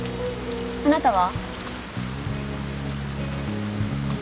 あなたは？